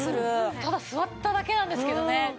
ただ座っただけなんですけどね。